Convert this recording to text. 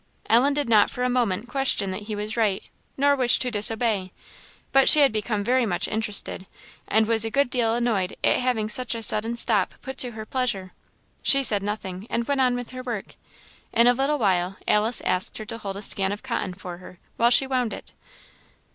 Ellen did not for a moment question that he was right, nor wish to disobey; but she had become very much interested, and was a good deal annoyed at having such a sudden stop put to her pleasure. She said nothing, and went on with her work. In a little while Alice asked her to hold a skein of cotton for her while she wound it.